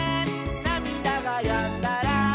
「なみだがやんだら」